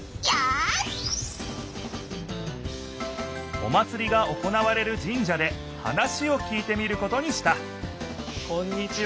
お祭りが行われるじん社で話を聞いてみることにしたこんにちは。